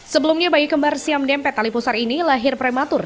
sebelumnya bayi kembar siam dempet tali pusar ini lahir prematur